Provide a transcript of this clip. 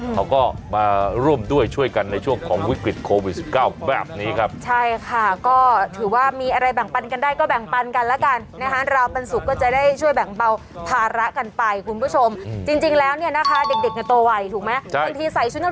เขาก็มาร่วมด้วยช่วยกันในช่วงของวิกฤตโควิด๑๙แบบนี้ครับใช่ค่ะก็ถือว่ามีอะไรแบ่งปันกันได้ก็แบ่งปันกันแล้วกันนะคะ